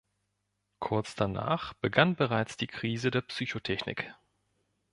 Kurz danach begann bereits die Krise der Psychotechnik.